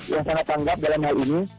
yang sangat tanggap dalam hal ini